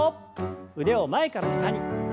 腕を前から下に。